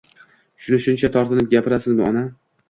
Shuni shuncha tortinib gapirasizmi, ona